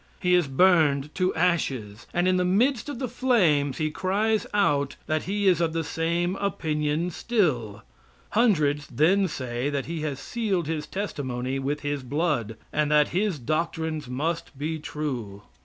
He is burned to ashes, and in the midst of the flames he cries out that he is of the same opinion still. Hundreds then say that he has sealed his testimony with his blood, and that his doctrines must be true.